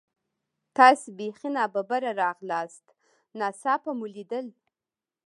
تاسې بیخي نا ببره راغلاست، ناڅاپه مو لیدل.